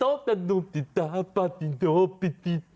รองยังไงนะ